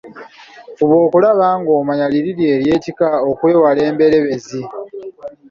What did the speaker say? Fuba okulaba ng'omanya liri ery’ekika okwewala emberebezi.